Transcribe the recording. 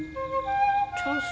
チャンス？